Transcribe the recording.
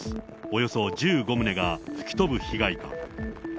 およそ１５棟が吹き飛ぶ被害が。